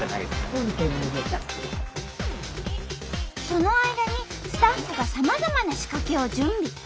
その間にスタッフがさまざまな仕掛けを準備。